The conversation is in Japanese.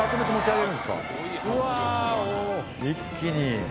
一気に。